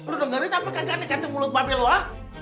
lo dengerin apa kagak negatif mulut babi lo ha